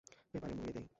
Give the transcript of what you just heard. পেপারে মুড়িয়ে দিই?